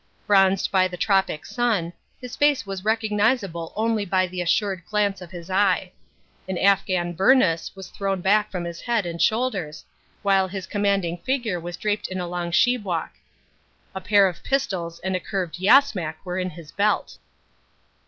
Bronzed by the tropic sun, his face was recognizable only by the assured glance of his eye. An Afghan bernous was thrown back from his head and shoulders, while his commanding figure was draped in a long chibuok. A pair of pistols and a curved yasmak were in his belt.